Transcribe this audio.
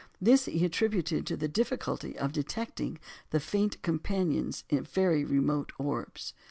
This he attributed to the difficulty of detecting the faint companions of very remote orbs.